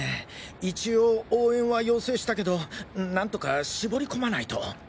一応応援は要請したけど何とか絞り込まないと。